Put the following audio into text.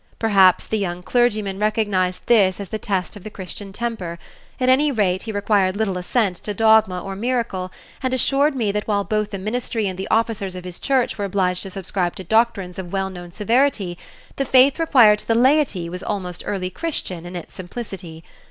Perhaps the young clergyman recognized this as the test of the Christian temper, at any rate he required little assent to dogma or miracle, and assured me that while both the ministry and the officers of his church were obliged to subscribe to doctrines of well known severity, the faith required to the laity was almost early Christian in its simplicity.